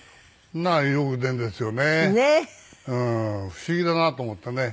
不思議だなと思ってね。